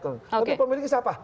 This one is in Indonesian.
tapi pemiliknya siapa